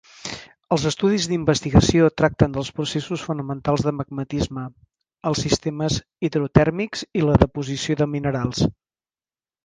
Els estudis d'investigació tracten dels processos fonamentals de magmatisme, els sistemes hidrotèrmics i la deposició de minerals.